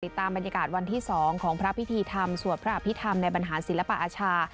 ตามบรรยากาศวันที่๒ของพระพิธีธรรมสวดพระอภิษฐรรมในบรรหารศิลปอาชา